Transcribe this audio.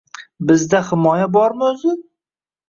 Bizda himoya bormi o‘zi?